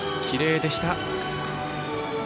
きれいでした。